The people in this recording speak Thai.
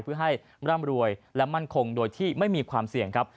เพื่อให้ร่ำรวยและมั่นคงโดยที่ไม่มีความเสี่ยงครับ